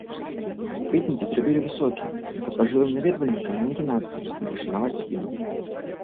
Кветнікі зрабілі высокімі, каб пажылым наведвальнікам не нагінацца і пашанаваць спіну.